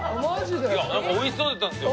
いやなんかおいしそうだったんですよ。